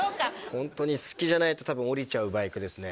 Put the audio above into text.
ホントに好きじゃないと多分降りちゃうバイクですね